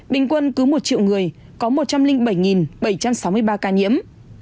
bình quân cứ một triệu người có một trăm linh bảy bảy trăm sáu mươi ba ca nhiễm